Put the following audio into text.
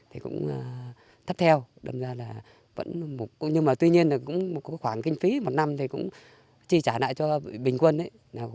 thì cũng thấp theo nhưng mà tuy nhiên là cũng có khoảng kinh phí một năm thì cũng chi trả lại cho bình quân